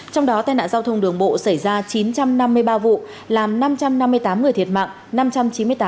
trong đó tai nạn giao thông đường bộ xảy ra chín trăm năm mươi ba vụ làm năm trăm năm mươi tám người thiệt mạng